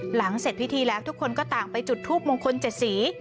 หลังเสร็จพิธีแล้วทุกคนก็ต่างไปจุดทูปมงคล๗สี